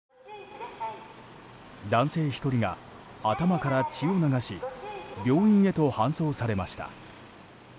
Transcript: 男性１人が、頭から血を流し病院へと搬送されました。